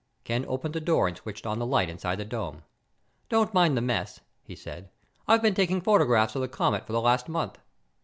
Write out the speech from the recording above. Ken opened the door and switched on the light inside the dome. "Don't mind the mess," he said. "I've been taking photographs of the comet for the last month."